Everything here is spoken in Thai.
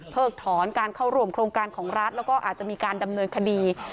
ถอนการเข้าร่วมโครงการของรัฐแล้วก็อาจจะมีการดำเนินคดี